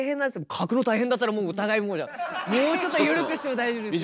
「書くの大変だったらお互いもうじゃあもうちょっとゆるくしても大丈夫ですよ」。